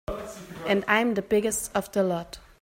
And I'm the biggest of the lot.